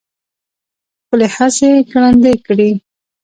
خپلې هڅې ګړندۍ کړي.